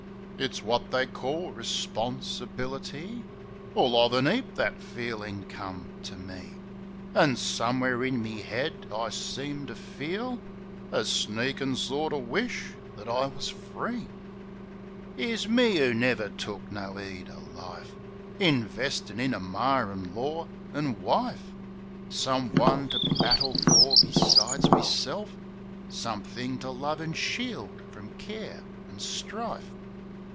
It's wot they calls responsibility. All of a 'eap that feelin' come to me; An' somew'ere in me 'ead I seemed to feel A sneakin' sort o' wish that I was free. MAR «7 'Ere's me 'oo never took no 'eed o' life, Investin' in a mar in lor an' wife: Someone to battle fer besides meself, Somethink to love an' shield frum care and strife.